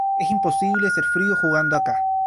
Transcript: Es imposible ser frío jugando acá".